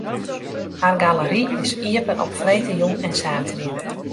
Har galery is iepen op freedtejûn en saterdei.